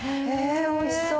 おいしそう。